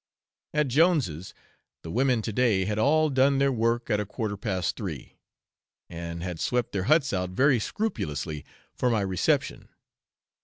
At Jones's, the women to day had all done their work at a quarter past three, and had swept their huts out very scrupulously for my reception.